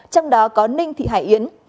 trong đó có ninh thị hải yến